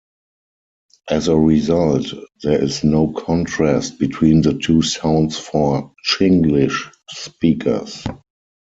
As a result, there is no contrast between the two sounds for Chinglish speakers.